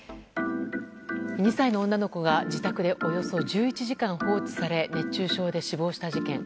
２歳の女の子が自宅でおよそ１１時間放置され熱中症で死亡した事件。